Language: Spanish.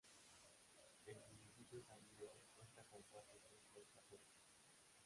El municipio San Diego cuenta con cuatro Templos Católicos.